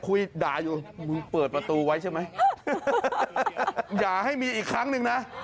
คุยด่าอยู่มึงเปิดประตูไว้ใช่ไหมอย่าให้มีอีกครั้งหนึ่งนะ